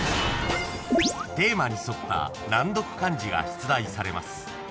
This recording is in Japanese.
［テーマに沿った難読漢字が出題されます］